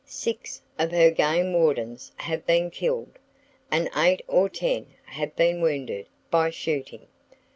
Six of her game wardens have been killed, and eight or ten have been wounded, by shooting!